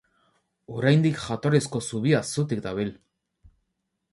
Oraindik jatorrizko zubia zutik dabil.